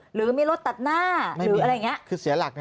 หรือมีรถตัดหน้าหรืออะไรอย่างนี้